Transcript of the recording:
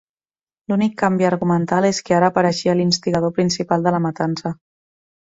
L'únic canvi argumental és que ara apareixia l'instigador principal de la matança.